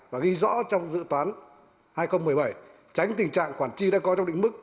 và ghi rõ trong dự toán hai nghìn một mươi bảy tránh tình trạng khoản chi đã có trong định mức